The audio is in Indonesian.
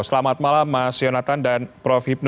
selamat malam mas yonatan dan prof hipnu